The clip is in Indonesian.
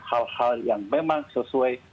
hal hal yang memang sesuai